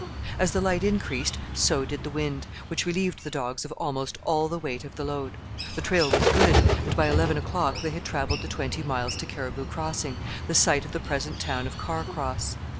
As the light increased so did the wind, which relieved the dogs of almost all the weight of the load. The trail was good, and by eleven o'clock they had travelled the twenty miles to Caribou Crossing, the site of the present town of Car Cross.